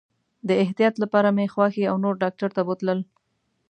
د احتیاط لپاره مې خواښي او نور ډاکټر ته بوتلل.